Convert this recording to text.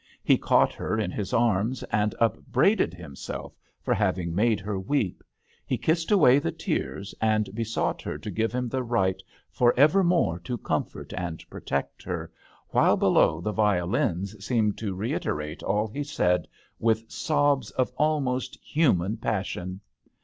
He caught her in his arms and upbraided himself for having made her weep ; he kissed away the tears and be 46 THB hAtel d'angleterre. sought her to give him the right for evermore to comfort and pro tect her, while below the violins seemed to reiterate all he said with sobs of almost human pas sion.